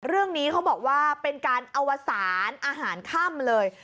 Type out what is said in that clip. เรื่องนี้เขาบอกว่าเป็นการอวสารอาหารค่ำเลย